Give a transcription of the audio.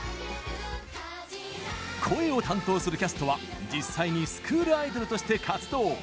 声を担当するキャストは実際にスクールアイドルとして活動。